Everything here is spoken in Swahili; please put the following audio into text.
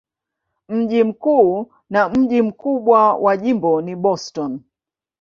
Mji mkuu na mji mkubwa wa jimbo ni Boston.